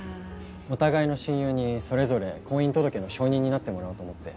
お互いの親友にそれぞれ婚姻届の証人になってもらおうと思って。